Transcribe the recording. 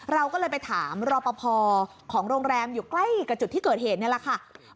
เราก็เลยไปถามรอปภของโรงแรมอยู่ใกล้กับจุดที่เกิดเหตุนี่แหละค่ะ